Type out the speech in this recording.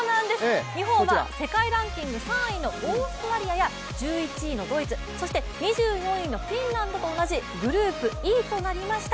日本は世界ランキング３位のオーストラリアや、１１位のドイツ、そして２４位のフィンランドと同じグループＥとなりました